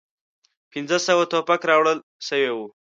پنځه سوه توپک راوړل سوي وې.